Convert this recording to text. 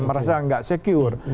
merasa nggak secure